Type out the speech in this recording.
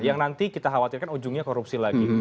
yang nanti kita khawatirkan ujungnya korupsi lagi